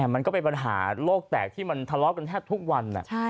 มันก็เป็นปัญหาโรคแตกที่มันทะเลาะกันแทบทุกวัน